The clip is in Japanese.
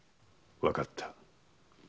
わかった。